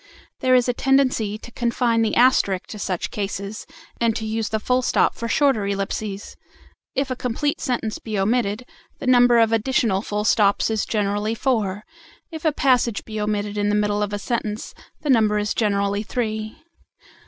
There is a tendency to confine the asterisk to such cases, and to use the full stop for shorter ellipses. If a complete sentence be omitted, the number of additional full stops is generally four; if a passage be omitted in the middle of a sentence, the number is generally three.